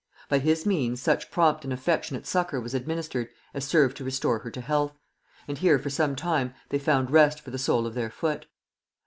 By his means such prompt and affectionate succour was administered as served to restore her to health; and here for some time they found rest for the sole of their foot.